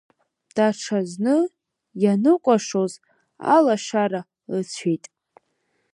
Даҽа зны ианыкәашоз, алашара ыцәеит.